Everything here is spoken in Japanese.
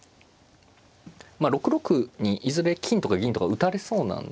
まあ６六にいずれ金とか銀とか打たれそうなんで。